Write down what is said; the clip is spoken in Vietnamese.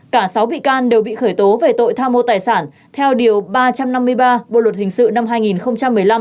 cả sáu bị can đều bị khởi tố về tội tham mô tài sản theo điều ba trăm năm mươi ba bộ luật hình sự năm hai nghìn một mươi năm